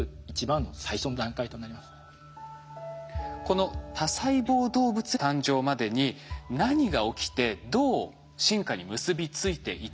この多細胞動物誕生までに何が起きてどう進化に結び付いていったのか。